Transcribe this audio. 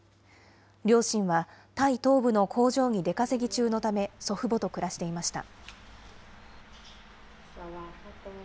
両親はタイ東部の工場に出稼ぎ中のため、祖父母と暮らしていました。